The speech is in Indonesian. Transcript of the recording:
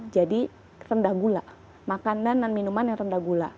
jadi rendah gula makanan dan minuman yang rendah gula